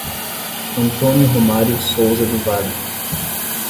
Antônio Romario Souza do Vale